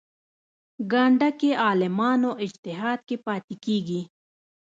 ګانده کې عالمانو اجتهاد کې پاتې کېږي.